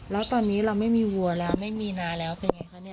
แล้วตอนนี้เราไม่มีวัวแล้วไม่มีนาแล้วเป็นไงคะเนี่ย